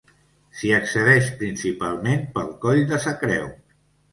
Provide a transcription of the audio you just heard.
S'hi accedeix principalment pel Coll de sa Creu.